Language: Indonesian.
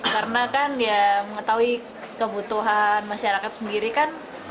karena kan ya mengetahui kebutuhan masyarakat sendiri kan